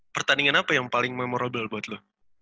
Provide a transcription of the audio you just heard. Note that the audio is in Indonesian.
pertandingan apa yang paling memorable buat lo